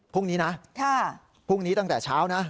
พรุ่งนี้นะพรุ่งนี้ตั้งแต่เช้านะ